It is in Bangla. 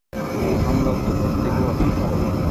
মূল হামলা উত্তর দিক থেকেও আসতে পারে।